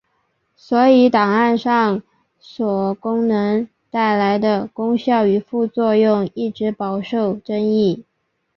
所以档案上锁功能带来的功效与副作用一直饱受争议。